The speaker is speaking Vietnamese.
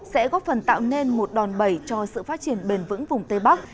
sẽ góp phần tạo nên một đòn bẩy cho sự phát triển bền vững vùng tây bắc